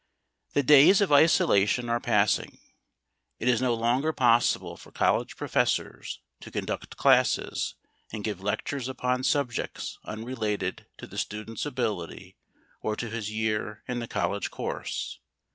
The days of isolation are passing. It is no longer possible for college professors to conduct classes and give lectures upon subjects unrelated to the student's ability or to his year in the college course.